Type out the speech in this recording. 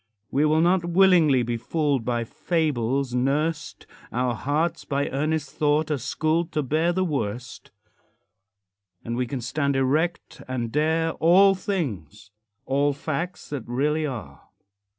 We will not willingly be fooled, By fables nursed; Our hearts, by earnest thought, are schooled To bear the worst; And we can stand erect and dare All things, all facts that really are.